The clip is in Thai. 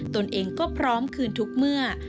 ตนเองก็พร้อมคืนทุกเมื่อ